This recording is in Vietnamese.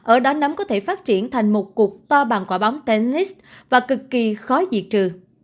ở đó nấm có thể phát triển thành một cuộc to bằng quả bóng tellis và cực kỳ khó diệt trừ